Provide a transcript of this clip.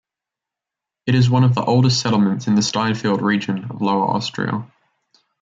It is one of the oldest settlements in the Steinfeld region of Lower Austria.